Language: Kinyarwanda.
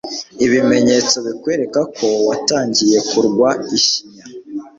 Ibimenyetso bikwereka ko watangiye kurwa ishinya